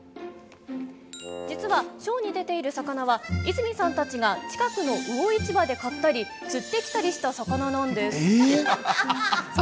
実は、ショーに出ている魚は泉さんたちが近くの魚市場で買ったり、釣ってきたりした魚なんです。